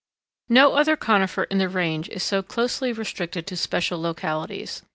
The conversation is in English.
No other conifer in the range is so closely restricted to special localities.